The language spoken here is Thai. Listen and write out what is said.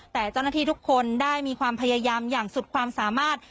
แต่เจ้าหน้าที่ทุกคนได้มีความพยายามอย่างสุดความสามารถ